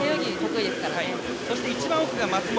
一番奥が松本。